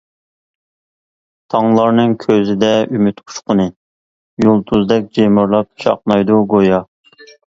تاڭلارنىڭ كۆزىدە ئۈمىد ئۇچقۇنى، يۇلتۇزدەك جىمىرلاپ چاقنايدۇ گويا.